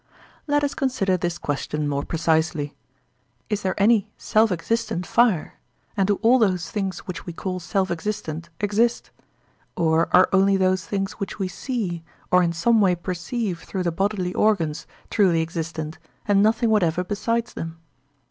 Let us consider this question more precisely. Is there any self existent fire? and do all those things which we call self existent exist? or are only those things which we see, or in some way perceive through the bodily organs, truly existent, and nothing whatever besides them?